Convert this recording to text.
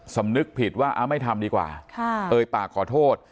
สำนึกผิดว่าไม่ทำดีกว่าเอ่ยปากขอโทษ